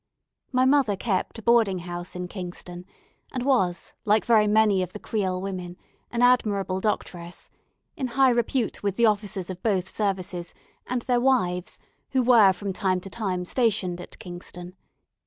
My mother kept a boarding house in Kingston, and was, like very many of the Creole women, an admirable doctress; in high repute with the officers of both services, and their wives, who were from time to time stationed at Kingston.